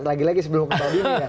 lagi lagi sebelum kita berdua